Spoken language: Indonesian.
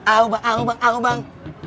au bang au bang